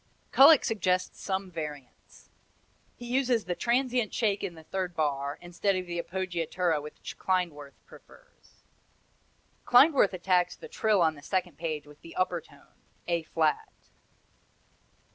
Kullak suggests some variants. He uses the transient shake in the third bar, instead of the appoggiatura which Klindworth prefers. Klindworth attacks the trill on the second page with the upper tone A flat.